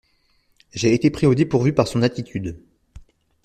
J'ai été pris au dépourvu par son attitude.